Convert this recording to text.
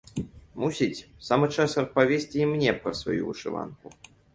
Мусіць, самы час распавесці і мне пра сваю вышыванку.